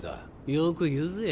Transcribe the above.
よく言うぜ。